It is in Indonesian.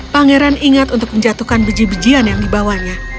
pangeran ingat untuk menjatuhkan beji bejian yang dibawanya